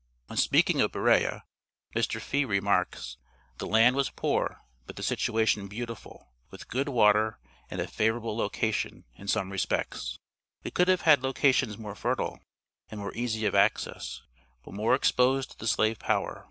When speaking of Berea, Mr. Fee remarks: "The land was poor, but the situation beautiful, with good water, and a favorable location, in some respects. We could have had locations more fertile and more easy of access, but more exposed to the slave power.